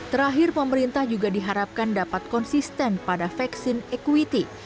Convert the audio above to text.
terakhir pemerintah juga diharapkan dapat konsisten pada vaksin equity